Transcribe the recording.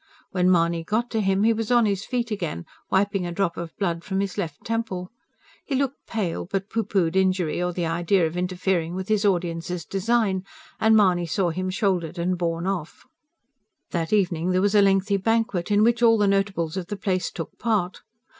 When Mahony got to him he was on his feet again, wiping a drop of blood from his left temple. He looked pale, but pooh poohed injury or the idea of interfering with his audience's design; and Mahony saw him shouldered and borne off. That evening there was a lengthy banquet, in which all the notables of the place took part.